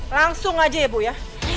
langsung aja ya bu ya